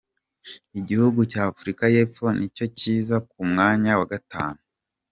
Igihugu cya Afurika y’Epfo ni cyo kiza ku mwanya wa gatanu.